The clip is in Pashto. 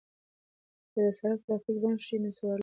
که د سړک ترافیک بند شي نو سوارلۍ به له موټر څخه کښته شي.